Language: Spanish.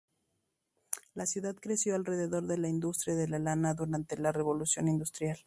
La ciudad creció alrededor de la industria de la lana durante la revolución industrial.